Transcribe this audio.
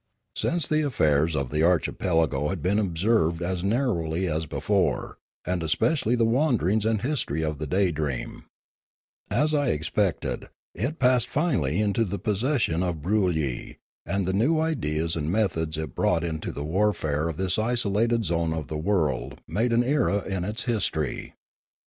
Since then the affairs of the archipelago had been observed as narrowly as before, and especially the wanderings and history of the Daydream, As I ex pected, it passed finally into the possession of Broolyi, Choktroo 197 and the new ideas and methods it brought into the warfare of this isolated zone of the world made an era in its history.